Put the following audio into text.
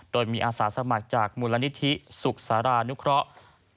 โดยมีอาสาสมัครจากมูลนิธิสุขสารานุเคราะห์